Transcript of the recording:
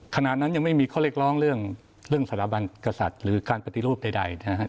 ขณะนั้นยังไม่มีข้อเรียกร้องเรื่องสถาบันกษัตริย์หรือการปฏิรูปใดนะครับ